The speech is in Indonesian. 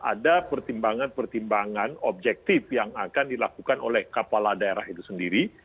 ada pertimbangan pertimbangan objektif yang akan dilakukan oleh kepala daerah itu sendiri